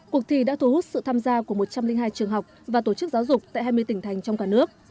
cuộc thi đã thu hút sự tham gia của một trăm linh hai trường học và tổ chức giáo dục tại hai mươi tỉnh thành trong cả nước